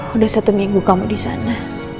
udah satu minggu kamu disana